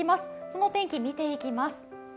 その天気見ていきます。